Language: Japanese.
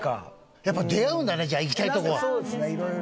やっぱ出会うんだねじゃあ行きたいとこは。